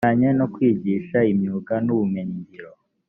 bijyanye no kwigisha imyuga n ubumenyingiro